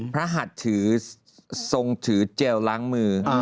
หัดถือทรงถือเจลล้างมือ